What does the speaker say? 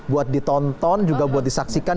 buat ditonton juga buat disaksikan